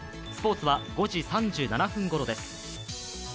スポーツは５時３７分ごろです。